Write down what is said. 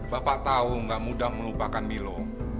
bapak tahu nggak mudah melupakan milo